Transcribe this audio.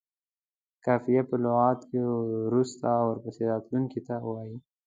قافیه په لغت کې وروسته او ورپسې تلونکي ته وايي.